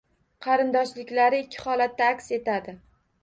Qarindoshliklari ikki holatda aks etadi.